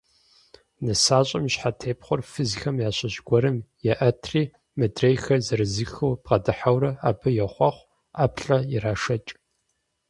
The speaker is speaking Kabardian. НысащӀэм и щхьэтепхъуэр фызхэм ящыщ гуэрым еӀэтри, мыдрейхэр зырызыххэу бгъэдыхьэурэ абы йохъуэхъу, ӀэплӀэ ирашэкӀ.